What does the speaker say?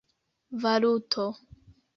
valuto